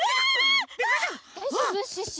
だいじょうぶ？シュッシュ。